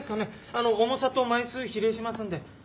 あの重さと枚数比例しますんで。